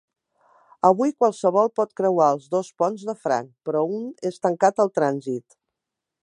Avui qualsevol pot creuar els dos ponts de franc, però un és tancat al trànsit.